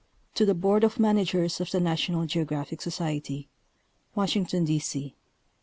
To THE Board of Managers of the National Geographic Society, Washington, D. C.